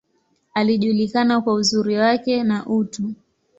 Alijulikana kwa uzuri wake, na utu.